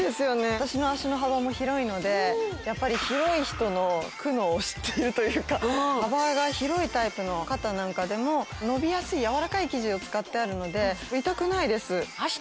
私の足の幅も広いのでやっぱり広い人の苦悩を知ってるというか幅が広いタイプの方なんかでも伸びやすいやわらかい生地を使ってあるので痛くないです